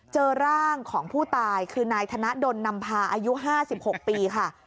เจอร่างของผู้ตายคือนายธนดลนำพาอายุ๕๖ปีค่ะ